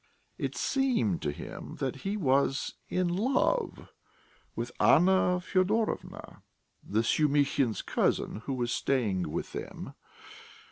It seemed to him that he was in love with Anna Fyodorovna, the Shumihins' cousin, who was staying with them.